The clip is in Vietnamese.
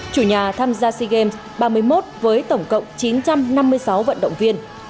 chủ nhà tham gia sea games ba mươi một với tổng cộng chín trăm năm mươi sáu vận động viên